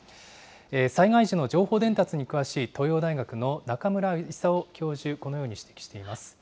災害時の情報伝達に詳しい東洋大学の中村功教授、このように指摘しています。